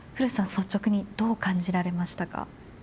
率直にどう感じられましたか？